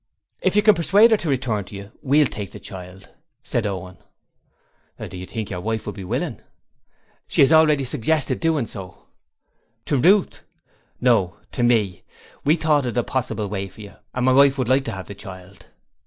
'If you can persuade her to return to you, we'll take the child,' said Owen. 'Do you think your wife would be willing?' 'She has already suggested doing so.' 'To Ruth?' 'No: to me. We thought it a possible way for you, and my wife would like to have the child.'